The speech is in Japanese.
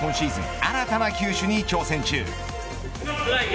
新たな球種に挑戦中。